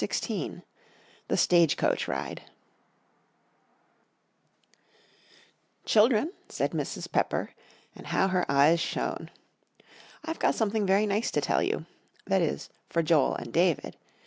XVI THE STAGE COACH RIDE "Children," said Mrs. Pepper, and how her eyes shone! "I've got something very nice to tell you that is, for Joel and David.